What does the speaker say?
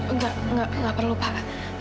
nggak nggak perlu pak